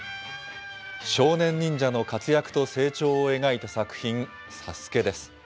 少年忍者の活躍と成長を描いた作品、サスケです。